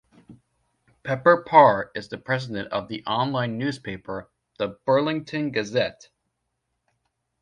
Pepper Parr is the president of the online newspaper the "Burlington Gazette".